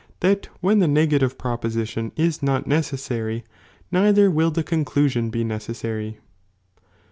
t^»t when the negative proposition is not necessary, neither wilt the conclusion be necessary.